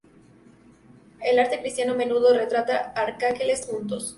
El arte cristiano a menudo retrata arcángeles juntos.